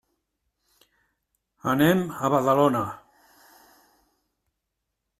Anem a Badalona.